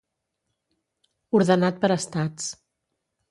Ordenat per estats.